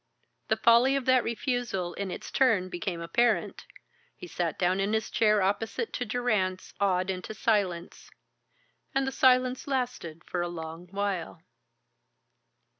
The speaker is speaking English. The folly of that refusal in its turn became apparent. He sat down in his chair opposite to Durrance, awed into silence. And the silence lasted for a long while.